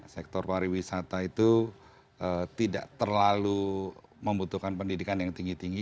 sektor pariwisata itu tidak terlalu membutuhkan pendidikan yang tinggi tinggi